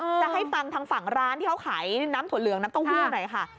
จะให้ฟังทางร้านที่เค้าขายน้ำถ่วนเหลืองน้ำต้นห้วงไหนค่ะ